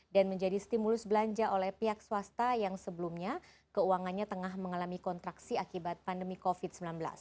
dan menjadi stimulus belanja oleh pihak swasta yang sebelumnya keuangannya tengah mengalami kontraksi akibat pandemi covid sembilan belas